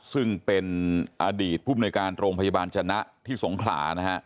ซึ่งเป็นอดีตผู้มนุยการโรงพยาบาลจนะที่สงขลานะฮะ